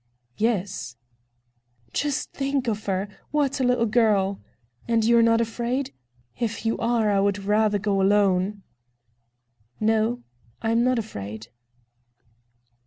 "Yes." "Just think of her! What a little girl! And you're not afraid? If you are, I would rather go alone!" "No, I am not afraid."